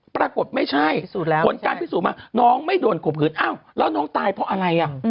ปรากฏไม่ใช่ผลการพิสูจน์มาน้องไม่โดนข่มขืนอ้าวแล้วน้องตายเพราะอะไรอ่ะ